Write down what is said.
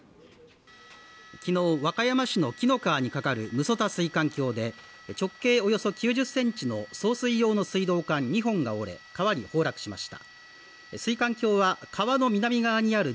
昨日和歌山市の紀の川に架かる六十谷水管橋で直径およそ９０センチの送水用の水道管２本が折れ川に崩落しました